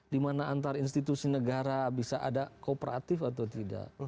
di mana antar institusi negara bisa ada kooperatif atau tidak